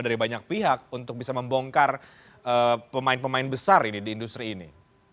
dari banyak pihak untuk bisa membongkar pemain pemain besar ini di industri ini